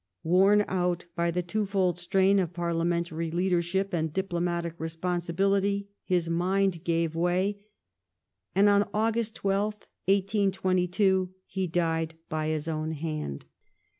Worn out by the twofold strain Castle of parliamentary leadership and diplomatic responsibility, his mind gave way, and on August 12th, 1822, he died by his own hand.